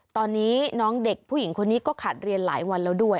ตอนนี้น้องเด็กผู้หญิงคนนี้ก็ขาดเรียนหลายวันแล้วด้วย